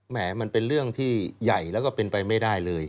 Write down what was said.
มันเป็นเรื่องที่ใหญ่แล้วก็เป็นไปไม่ได้เลย